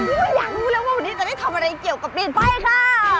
ไม่อยากรู้แล้วว่าวันนี้จะได้ทำอะไรเกี่ยวกับปีนไฟค่ะ